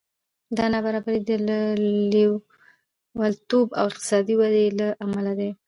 دا نابرابري د نړیوالتوب او اقتصادي ودې له امله ده